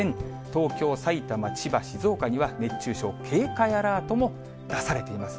東京、埼玉、千葉、静岡には、熱中症警戒アラートも出されています。